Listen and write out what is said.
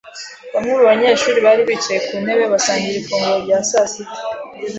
Bamwe mu banyeshuri bari bicaye ku ntebe basangira ifunguro rya saa sita.